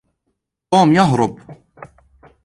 توم يهرب.